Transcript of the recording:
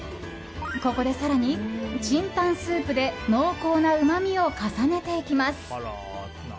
ここで更に清湯スープで濃厚なうまみを重ねていきます。